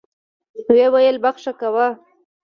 ويې ويل بخښه کوه.